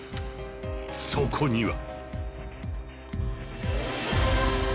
そこには。